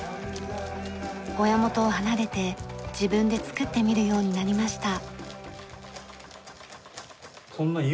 親元を離れて自分でつくってみるようになりました。